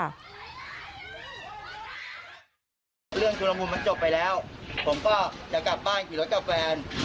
เรื่องชุดละมุนมันจบไปแล้วผมก็จะกลับบ้านขี่รถกับแฟน